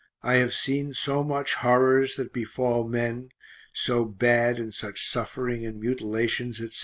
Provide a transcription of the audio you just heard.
I have seen so much horrors that befall men (so bad and such suffering and mutilations, etc.